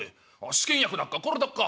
「試験薬だっかこれだっか？